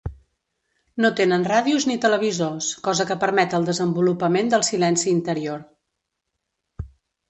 No tenen ràdios ni televisors, cosa que permet el desenvolupament del silenci interior.